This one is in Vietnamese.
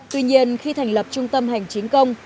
tuy nhiên khi thành lập trung tâm hành chính công